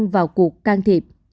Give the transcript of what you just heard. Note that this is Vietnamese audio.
vào cuộc can thiệp